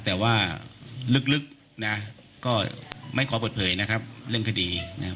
แต่ว่าลึกนะก็ไม่ขอเปิดเผยนะครับเรื่องคดีนะครับ